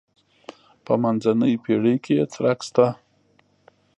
په منځنۍ پېړۍ کې یې څرک شته.